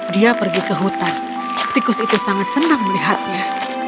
dia pergi ke hutan tikus itu sangat senang melihatnya